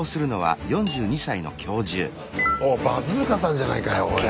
おっバズーカさんじゃないかよおい。